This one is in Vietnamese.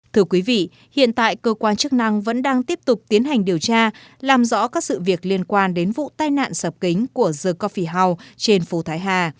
thưa quý vị hiện tại cơ quan chức năng vẫn đang tiếp tục tiến hành điều tra làm rõ các sự việc liên quan đến vụ tai nạn sập kính của zecofy house trên phố thái hà